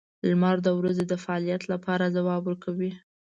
• لمر د ورځې د فعالیت لپاره ځواب ورکوي.